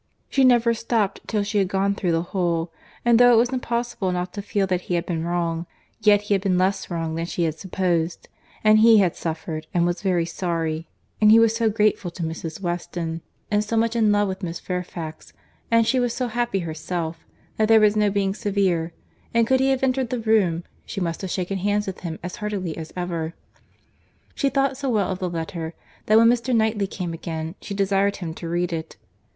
She never stopt till she had gone through the whole; and though it was impossible not to feel that he had been wrong, yet he had been less wrong than she had supposed—and he had suffered, and was very sorry—and he was so grateful to Mrs. Weston, and so much in love with Miss Fairfax, and she was so happy herself, that there was no being severe; and could he have entered the room, she must have shaken hands with him as heartily as ever. She thought so well of the letter, that when Mr. Knightley came again, she desired him to read it.